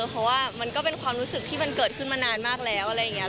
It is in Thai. เพราะว่ามันก็เป็นความรู้สึกที่มันเกิดขึ้นมานานมากแล้วอะไรอย่างนี้